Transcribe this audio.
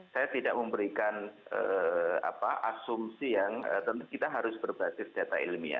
saya tidak memberikan asumsi yang tentu kita harus berbasis data ilmiah